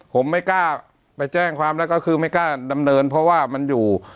ผมไม่กล้าไปแจ้งความแล้วก็คือไม่กล้าดำเนินเพราะว่ามันอยู่